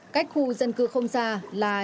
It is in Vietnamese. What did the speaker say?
cách khu dân cư không xa là nhà bán